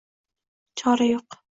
Chora yo’q.